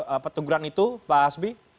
apa teguran itu pak hasbi